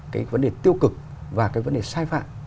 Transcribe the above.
cái vấn đề tiêu cực và cái vấn đề sai phạm